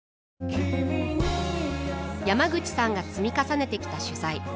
山口さんが積み重ねてきた取材。